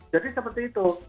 jadi seperti itu